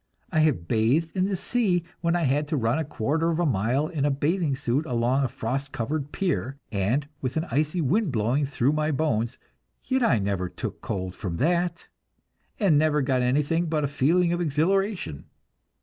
I have bathed in the sea when I had to run a quarter of a mile in a bathing suit along a frost covered pier, and with an icy wind blowing through my bones; yet I never took cold from that, and never got anything but a feeling of exhilaration.